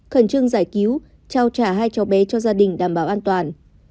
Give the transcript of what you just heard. khẩn trương giải cứu trao trả hai cháu bé cho gia đình đảm bảo an toàn